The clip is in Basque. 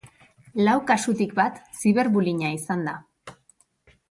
Lau kasutik bat ziberbullyinga izan da.